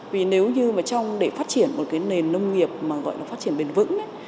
vì nếu như mà trong để phát triển một nền nông nghiệp mà gọi là phát triển bền vững